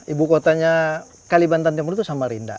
ibu kotanya kalimantan timur itu sama rinda